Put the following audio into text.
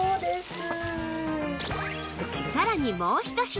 さらにもうひと品